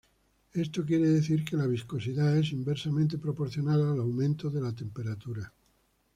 Esto quiere decir que la viscosidad es inversamente proporcional al aumento de la temperatura.